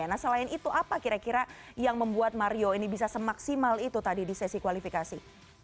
nah selain itu apa kira kira yang membuat mario ini bisa semaksimal itu tadi di sesi kualifikasi